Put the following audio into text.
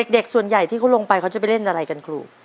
เด็กส่วนใหญ่ที่เขาลงไปเขาจะไปเล่นอะไรกันครู